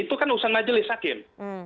itu kan urusan majelis hakim